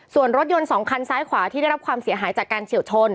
ส่วนรถยนต์๒คันซ้ายขวาที่ได้รับความเสียหายจากการเฉียวชน